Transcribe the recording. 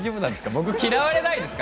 僕嫌われないですか？